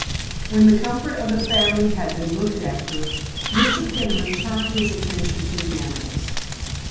When the comfort of the family had been looked after Mr. Peniman turned his attention to the animals.